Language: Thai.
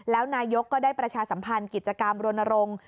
แล้วนายกก็ได้ประชาสัมพันธ์กิจกรรมรณรงค์